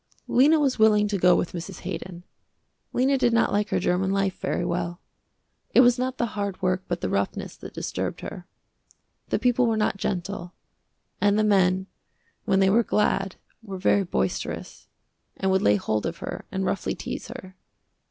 Lena was willing to go with Mrs. Haydon. Lena did not like her german life very well. It was not the hard work but the roughness that disturbed her. The people were not gentle, and the men when they were glad were very boisterous, and would lay hold of her and roughly tease her.